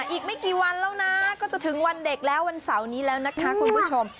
อีกไม่กี่วันแล้วนะก็จะถึงวันเด็กแล้ววันเสาร์นี้แล้วนะคะคุณผู้ชม